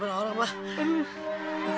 pak kita butuh irimanin dulu